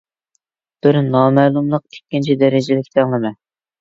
بىر نامەلۇملۇق ئىككىنچى دەرىجىلىك تەڭلىمە